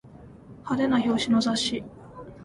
派手な表紙の雑誌